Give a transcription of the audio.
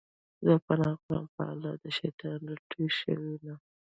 زه پناه غواړم په الله د شيطان رټلي شوي نه